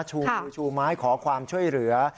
ชูไม้ขอความช่วยเหลือ